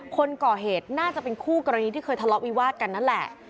คนก่อเหตุน่าจะเป็นคู่กรณีที่เคยทะเลาะวิวาดกันนั่นแหละ